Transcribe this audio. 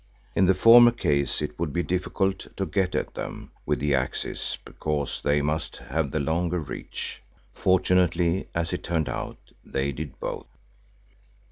In the former case it would be difficult to get at them with the axes because they must have the longer reach. Fortunately as it turned out, they did both.